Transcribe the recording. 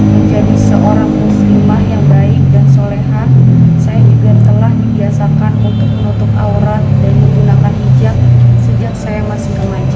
menjadi seorang muslimah yang baik dan solehan saya juga telah dibiasakan untuk menutup aurat dan menggunakan hijab sejak saya masih remaja